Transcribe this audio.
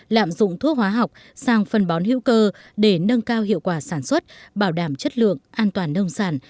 lạm dụng thuốc hóa học sang phân bón hữu cơ để nâng cao hiệu quả sản xuất bảo đảm chất lượng an toàn nông sản